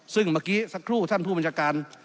ซึ่งเมื่อกี้สักครู่ท่านผู้บัญชาการ